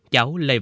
cháu lê vạn hùng